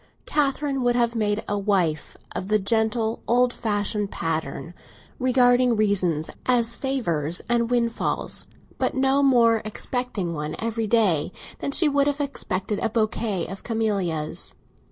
Catherine would have made a wife of the gentle old fashioned pattern—regarding reasons as favours and windfalls, but no more expecting one every day than she would have expected a bouquet of camellias.